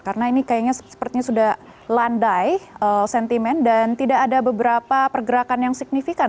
karena ini sepertinya sudah landai sentimen dan tidak ada beberapa pergerakan yang signifikan